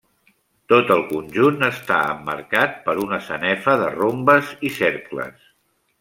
Tot el conjunt està emmarcat per una sanefa de rombes i cercles.